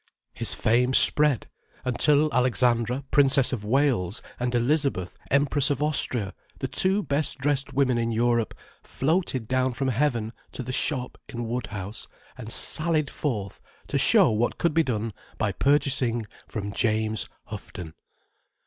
His fame spread, until Alexandra, Princess of Wales, and Elizabeth, Empress of Austria, the two best dressed women in Europe, floated down from heaven to the shop in Woodhouse, and sallied forth to show what could be done by purchasing from James Houghton.